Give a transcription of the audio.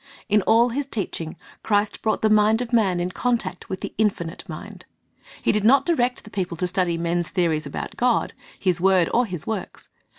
In all His teaching, Christ brought the mind of man in contact with the Infinite Mind. He did not direct the people to study men's theories about God, His word, or His works.